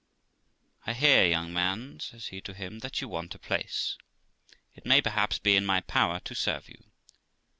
I hear, young man', says he to him, 'that you want a place; it may perhaps be in my power to serve you.